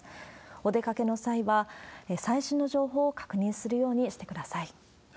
お出かけの際は、最新の情報を確認するようにしてください。